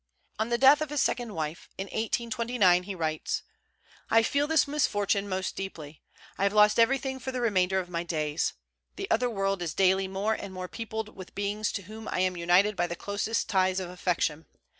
On the death of his second wife, in 1829, he writes, "I feel this misfortune most deeply. I have lost everything for the remainder of my days. The other world is daily more and more peopled with beings to whom I am united by the closest ties of affection.